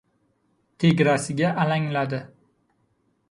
Tegrasiga alangladi.